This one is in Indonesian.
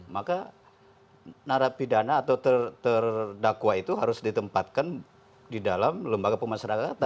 maka narapidana atau terdakwa itu harus ditempatkan di dalam lembaga pemasyarakatan